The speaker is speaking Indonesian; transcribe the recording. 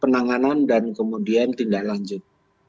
penanganan dan kemudian tindak lanjut